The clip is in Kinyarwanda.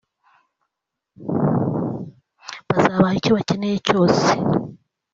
bazabaha icyo bakeneye cyose